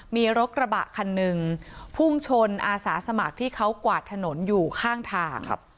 มีรถกระบะคันหนึ่งพุ่งชนอาสาสมัครที่เขากวาดถนนอยู่ข้างทาง